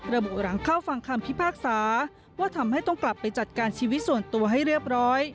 ระบุหลังเข้าฟังคำพิพากษาว่าทำให้ต้องกลับไปจัดการชีวิตส่วนตัวให้เรียบร้อย